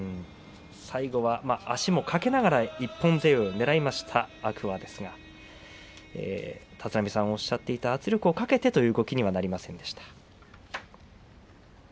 最後は足も掛けながら一本背負いをねらいました天空海ですが立浪さんがおっしゃっていた圧力をかけてという動きにはなりませんでした。